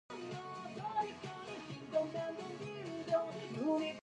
It is annotated for part of speech and lemma, shallow parse, and named entities.